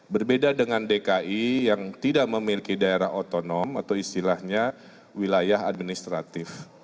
berbeda dengan dki yang tidak memiliki daerah otonom atau istilahnya wilayah administratif